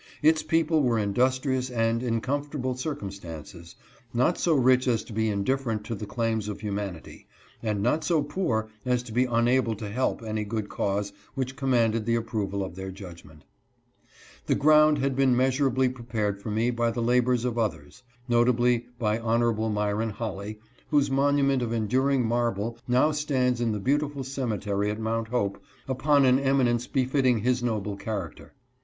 Its people were industrious and in comfortable circumstances — not so rich as to be indifferent to the claims of human ity, and not so poor as to be unable to help any good cause which commanded the approval of their judgment, The ground had been measurably prepared for me by the labors of others — notably by Hon. Myron Holley, whose monument of enduring marble now stands in the beautiful cemetery at Mount Hope upon an eminence be fitting his noble character.